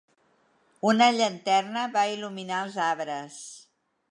Una llanterna va il·luminar els arbres.